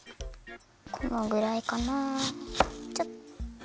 このぐらいかなあちょっと。